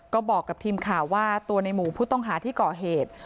ก็บอกกับทีมข่าวว่าตัวในหมู่ผู้ต้องหาที่ก่อเหตุ